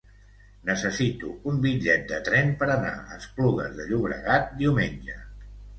Necessito un bitllet de tren per anar a Esplugues de Llobregat diumenge.